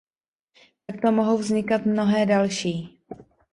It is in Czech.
Takto mohou vznikat mnohé další.